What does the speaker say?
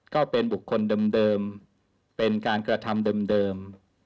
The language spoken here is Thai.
ก็เป็นบุคคลเดิมเป็นการกระทำเดิม